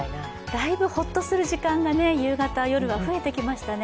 だいぶほっとする時間が夕方、夜は増えてきましたね。